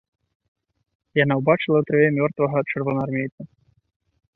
Яна ўбачыла ў траве мёртвага чырвонаармейца.